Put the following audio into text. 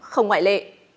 không ngoại lệ